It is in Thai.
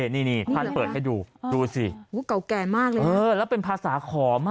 นี่ท่านเปิดให้ดูดูสิเก่าแก่มากเลยเออแล้วเป็นภาษาขอม